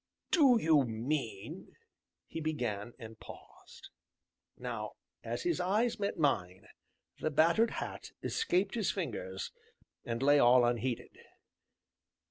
"Do you mean " he began, and paused. Now, as his eyes met mine, the battered hat escaped his fingers, and lay all unheeded.